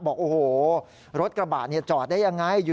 บอกโอ้โหรถกระบะจอดได้ยังไง